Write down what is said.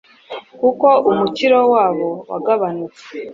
kuko umukiro wabo wagabanutse